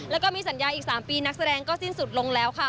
แล้วก็มีสัญญาอีก๓ปีนักแสดงก็สิ้นสุดลงแล้วค่ะ